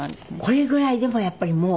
これぐらいでもやっぱりもう。